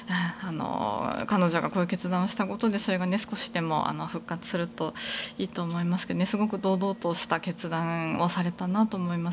彼女がこういう決断をしたことでそれが少しでも復活するといいと思いますがすごく堂々とした決断をされたなと思います。